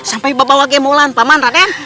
sampai bawa gemulan paman raden